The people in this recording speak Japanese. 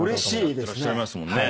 やってらっしゃいますもんね。